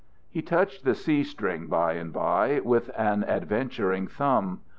He touched the C string by and by with an adventuring thumb.